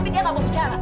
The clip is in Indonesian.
tapi dia gak mau bicara